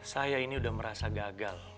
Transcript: saya ini udah merasa gagal